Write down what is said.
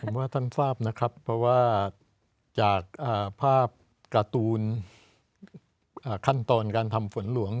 ผมว่าท่านทราบนะครับเพราะว่าจากภาพการ์ตูนขั้นตอนการทำฝนหลวง